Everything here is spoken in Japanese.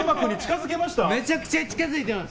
めちゃくちゃ近づいています。